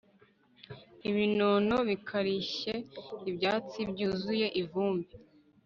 ibinono bikarishye ibyatsi byuzuye ivumbi